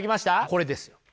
これですよ。